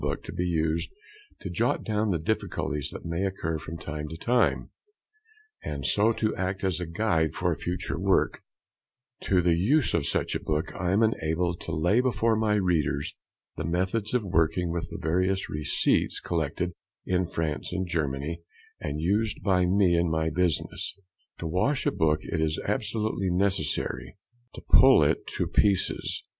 book be used to jot down the difficulties that may occur from time to time, and so to act as a guide for future work; to the use of such a book I am enabled to lay before my readers the methods of working with the various receipts collected in France and Germany, and used by me in my business. To wash a book it is absolutely necessary to pull it to pieces.